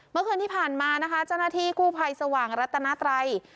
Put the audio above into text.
เมื่อคืนที่ผ่านมานะคะเจ้าหน้าที่กู้ภัยสว่างรัตนาไตร